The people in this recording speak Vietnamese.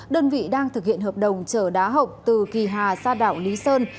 đơn vị đang thực hiện hợp đồng chở đá hộc từ kỳ hà ra đảo lý sơn